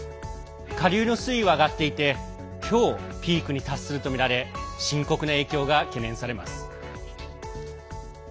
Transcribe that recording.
下流の水位は上がっていて今日ピークに達するとみられ深刻な影響が懸念されます。